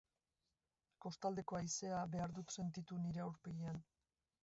Kostaldeko haizea behar dut sentitu nire aurpegian,